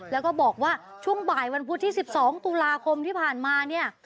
แล้วก็บอกว่าช่วงบ่ายวันพุธที่๑๒ตุลาคมที่ผ่านมาเนี่ย